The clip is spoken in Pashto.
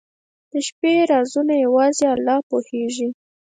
• د شپې رازونه یوازې الله پوهېږي.